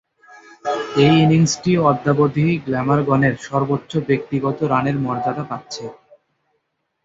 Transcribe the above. এ ইনিংসটি অদ্যাবধি গ্ল্যামারগনের সর্বোচ্চ ব্যক্তিগত রানের মর্যাদা পাচ্ছে।